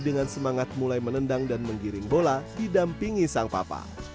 dengan semangat mulai menendang dan menggiring bola didampingi sang papa